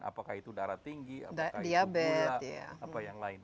apakah itu darah tinggi apakah itu bola apa yang lain